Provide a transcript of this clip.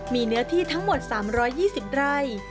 มีเนื้อที่ทั้งหมด๓๒๐ไร่